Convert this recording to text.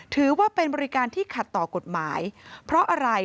ถือว่าเป็นบริการที่ขัดต่อกฎหมายเพราะอะไร